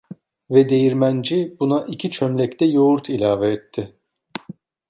Ve değirmenci buna iki çömlek de yoğurt ilave etti.